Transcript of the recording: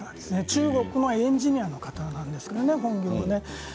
中国のエンジニアの方なんですけれどもね本業は。